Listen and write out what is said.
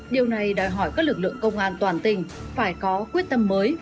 điều này đòi hỏi các lực lượng công an toàn tỉnh phải có quyết tâm mới